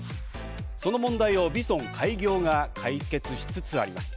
その問題をＶＩＳＯＮ開業が解決しつつあります。